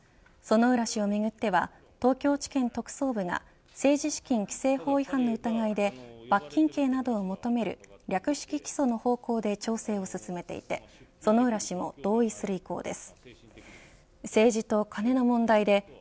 薗浦氏をめぐっては東京地検特捜部が政治資金規正法違反の疑いで罰金刑などを求める略式起訴の方向で調整を進めていて薗浦氏も同意する意向です。